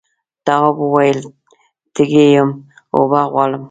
تواب وویل تږی یم اوبه غواړم.